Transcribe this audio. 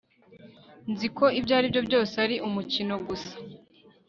Nzi ko ibyo byose ari umukino gusa